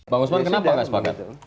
bang usman kenapa nggak sepakat